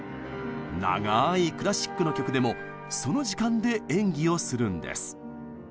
長いクラシックの曲でもその時間で演技をするんです。